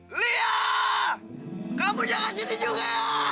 lihat kamu jangan sini juga